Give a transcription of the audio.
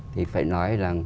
thì phải nói là